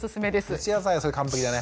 蒸し野菜はそれ完璧だね。